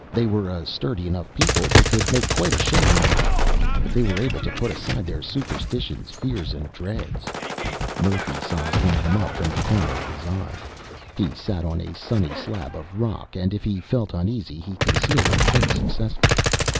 They were a sturdy enough people; they could make quite a showing in a week, if they were able to put aside their superstitions, fears and dreads. Murphy sized one of them up from the corner of his eye. He sat on a sunny slab of rock, and if he felt uneasy he concealed it quite successfully.